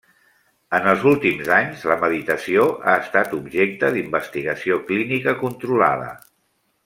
En els últims anys, la meditació ha estat objecte d'investigació clínica controlada.